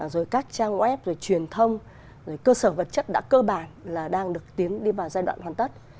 rồi các trang web rồi truyền thông cơ sở vật chất đã cơ bản là đang được tiến đi vào giai đoạn hoàn tất